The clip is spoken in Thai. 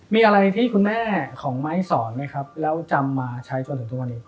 มีอะไรที่คุณแม่ของไม้สอนไหมครับแล้วจำมาใช้จนถึงทุกวันนี้